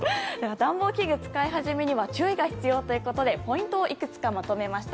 暖房器具、使い初めには注意が必要ということでポイントをいくつかまとめました。